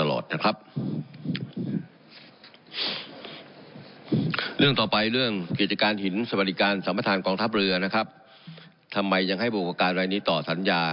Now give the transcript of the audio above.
เรื่องต่อไปเรื่องกิจการหินสวัสดิการสัมประธานกองทัพเรือนะครับทำไมยังให้ผู้ประกอบการรายนี้ต่อสัญญา